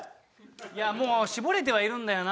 いやもう絞れてはいるんだよな。